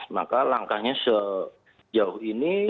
maka langkahnya sejauh ini